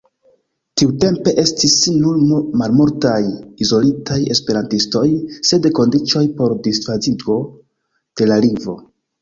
Tiutempe estis nur malmultaj izolitaj esperantistoj, sen kondiĉoj por disvastigo de la lingvo.